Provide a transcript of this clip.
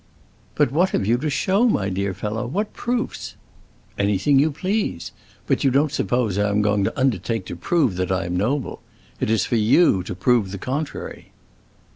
"But what have you to show, my dear fellow, what proofs?" "Anything you please! But you don't suppose I am going to undertake to prove that I am noble. It is for you to prove the contrary."